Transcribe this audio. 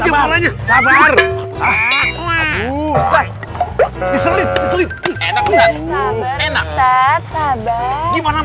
ini kayak kepiting